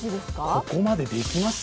ここまでできます？